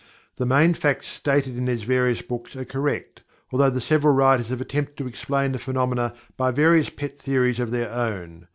The main facts stated in these various books are correct, although the several writers have attempted to explain the phenomena by various pet theories of their own.